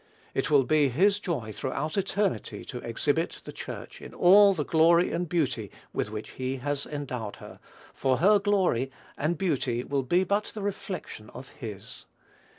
It will be his joy throughout eternity to exhibit the Church in all the glory and beauty with which he has endowed her, for her glory and beauty will be but the reflection of his.